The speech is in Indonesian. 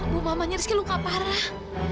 bu mamanya rizky luka parah